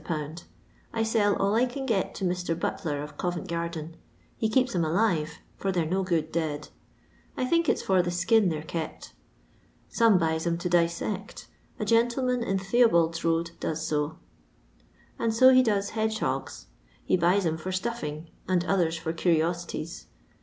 a pound. I sell all I can get to Mr. Butler, of Covent garden. He keeps 'em alive, for they 're no good dead. I think it's for the skin they're kept. Some buys *em to dissect : a gentleman in Theobalds road does so, and so he does hedge hogs. Some buys 'em for stuffing, and others for cur'osities.